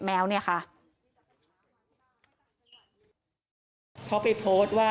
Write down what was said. สวัสดีคุณผู้ชายสวัสดีคุณผู้ชาย